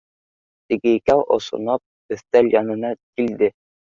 Теге икәү осоноп өҫтәл янына килде